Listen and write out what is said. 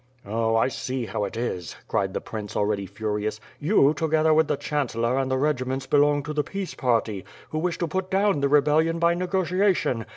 "0, 1 see how it is," cried the prince, already furious, "you, together with the Chancellor and the regiments belong to the peace party, who wish to put down the rebellion by nego tiation.